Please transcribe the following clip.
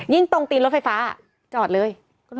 ตรงตีนรถไฟฟ้าจอดเลย